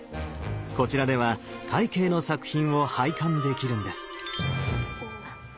こちらでは快慶の作品を拝観できるんです！